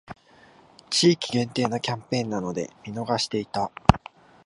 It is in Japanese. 地域限定のキャンペーンなので見逃していた